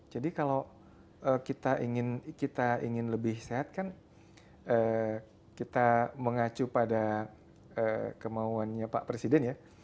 jadi kalau kita ingin lebih sehat kan kita mengacu pada kemauannya pak presiden ya